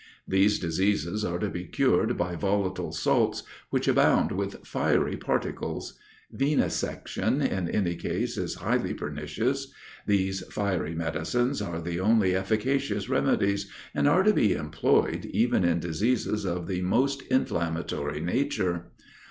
These diseases are to be cured by volatile salts, which abound with fiery particles; venesection in any case is highly pernicious; these fiery medicines are the only efficacious remedies, and are to be employed even in diseases of the most inflammatory nature.